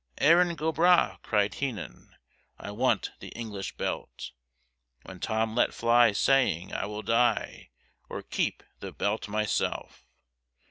Erin go bragh, cried Heenan, I want the English belt, When Tom let fly, saying, I will die, Or keep the belt myself.